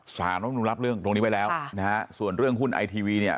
สารรัฐมนุนรับเรื่องตรงนี้ไว้แล้วนะฮะส่วนเรื่องหุ้นไอทีวีเนี่ย